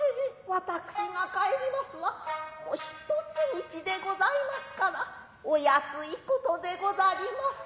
私が帰りますは一つ道でございますからお易いことでござります。